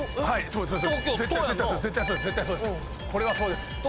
はいそうです。